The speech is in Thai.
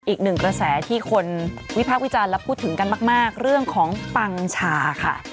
อีกหนึ่งกระแสที่คนวิพากษ์วิจารณ์และพูดถึงกันมากเรื่องของปังชาค่ะ